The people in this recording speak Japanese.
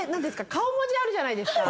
顔文字あるじゃないですか。